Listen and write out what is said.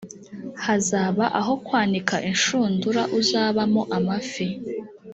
hazaba aho kwanika inshundura uzabamo amafi